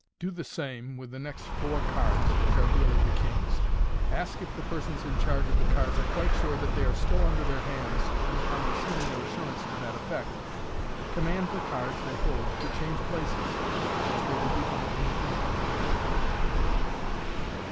Do the same with the next four cards (which are really the kings). Ask if the persons in charge of the cards are quite sure that they are still under their hands, and, upon receiving their assurance to that effect, command the cards they hold to change places, which they will be found to have done.